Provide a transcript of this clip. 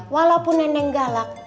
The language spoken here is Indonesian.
walaupun neneng galak